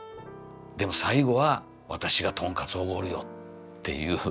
でも最後は私がとんかつおごるよっていう。